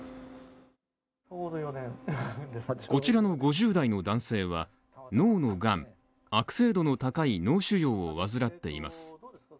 こちらの５０代の男性は脳のがん悪性度の高い脳腫瘍を患っています。